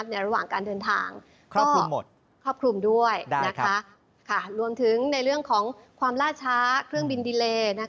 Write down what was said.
ระหว่างการเดินทางก็คือครอบคลุมด้วยรวมถึงในเรื่องของความล่าช้าเครื่องบินดีเล